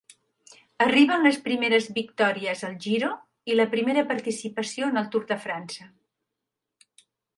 Arriben les primeres victòries al Giro i la primera participació en el Tour de França.